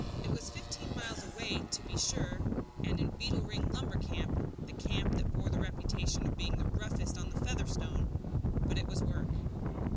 It was fifteen miles away, to be sure, and in "Beetle Ring" lumber camp, the camp that bore the reputation of being the roughest on the Featherstone, but it was work.